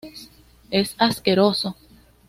Es asqueroso.